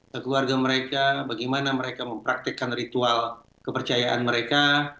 ke keluarga mereka bagaimana mereka mempraktekkan ritual kepercayaan mereka